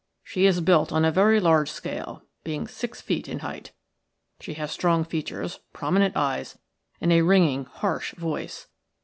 She is built on a very large scale, being six feet in height. She has strong features, prominent eyes, and a ringing, harsh voice.